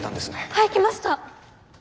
はい来ました！